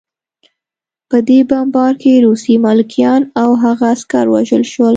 په دې بمبار کې روسي ملکیان او هغه عسکر ووژل شول